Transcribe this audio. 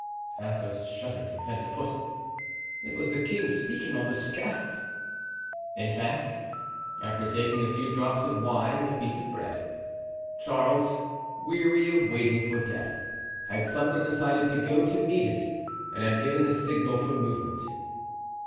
Athos shuddered from head to foot. It was the king speaking on the scaffold. In fact, after taking a few drops of wine and a piece of bread, Charles, weary of waiting for death, had suddenly decided to go to meet it and had given the signal for movement.